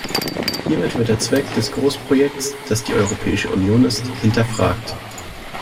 Hiermit wird der Zweck des Großprojekts, das die Europäische Union ist, hinterfragt.